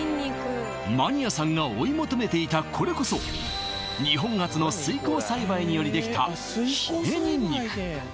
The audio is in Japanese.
マニアさんが追い求めていたこれこそ日本初の水耕栽培によりできた姫ニンニク